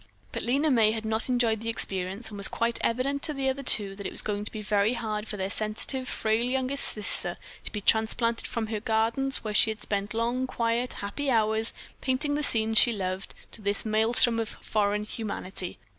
But Lena May had not enjoyed the experience, and it was quite evident to the other two that it was going to be very hard for their sensitive, frail youngest sister to be transplanted from her gardens, where she had spent long, quiet, happy hours, painting the scenes she loved, to this maelstrom of foreign humanity.